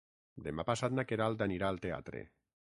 Demà passat na Queralt anirà al teatre.